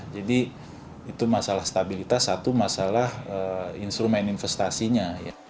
itu masalah stabilitas satu masalah instrumen investasinya